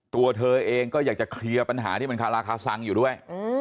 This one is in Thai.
ตัวเธอเองก็อยากจะเคลียร์ปัญหาที่มันคาราคาซังอยู่ด้วย